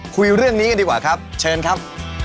คุยเรื่องนี้กันดีกว่าครับเชิญครับ